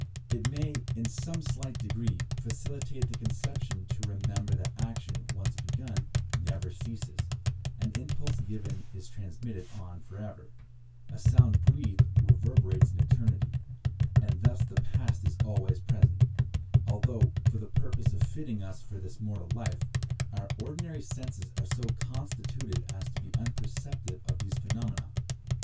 It may, in some slight degree, facilitate the conception to remember that action, once begun, never ceases—an impulse given is transmitted on for ever; a sound breathed reverberates in eternity; and thus the past is always present, although, for the purpose of fitting us for this mortal life, our ordinary senses are so constituted as to be unperceptive of these phenomena.